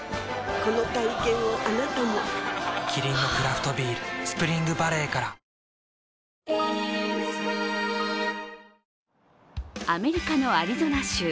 この体験をあなたもキリンのクラフトビール「スプリングバレー」からアメリカのアリゾナ州。